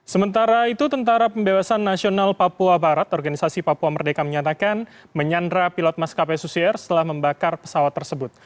sementara itu tentara pembebasan nasional papua barat organisasi papua merdeka menyatakan menyandra pilot maskapai susier setelah membakar pesawat tersebut